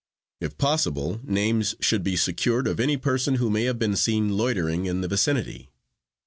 If possible, names should be secured of any persons who may have been seen loitering in the vicinity.